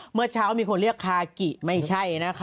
เมื่อเช้ามีคนเรียกคากิไม่ใช่นะคะ